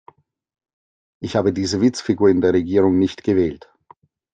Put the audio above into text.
Ich habe diese Witzfigur in der Regierung nicht gewählt.